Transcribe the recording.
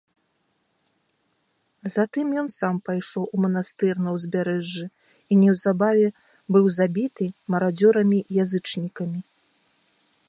Затым ен сам пайшоў у манастыр на ўзбярэжжы і неўзабаве быў забіты марадзёрамі-язычнікамі.